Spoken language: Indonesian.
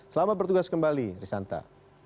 selamat bertugas kembali risanta